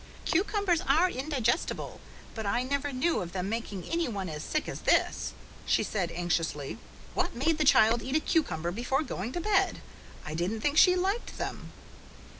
"Cucumbers are indigestible, but I never knew of them making any one as sick as this," she said anxiously. "What made the child eat a cucumber before going to bed? I didn't think she liked them."